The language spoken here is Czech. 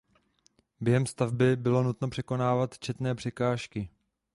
Během stavby bylo nutno překonávat četné překážky.